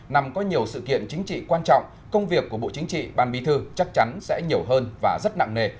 nằm có nhiều sự kiện chính trị quan trọng công việc của bộ chính trị ban bí thư chắc chắn sẽ nhiều hơn và rất nặng nề